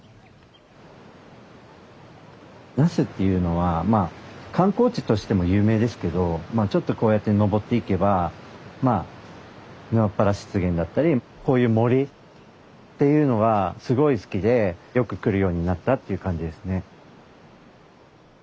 那須っていうのは観光地としても有名ですけどちょっとこうやって登っていけば沼ッ原湿原だったりこういう森っていうのがすごい好きでよく来るようになったっていう感じですね。